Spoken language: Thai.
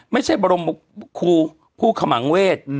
ไม่ใช่บรมครูผู้ขมังเวศ